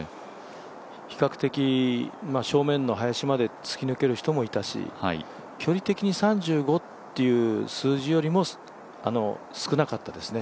比較的正面の林まで突き抜ける人もいたし距離的に３５っていう数字よりも少なかったですね。